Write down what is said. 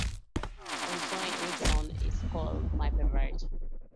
On Sony Ericsson, it's called "My Friends".